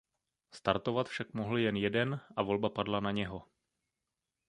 Startovat však mohl jen jeden a volba padla na něho.